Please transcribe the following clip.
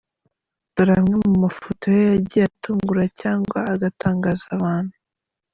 Dore amwe mu mafoto ye yagiye atungura cyagnwa agatangaza abantu.